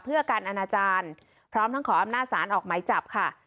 เพื่อการอนาจารย์พร้อมทั้งขออำนาจศาลออกไหมจับค่ะ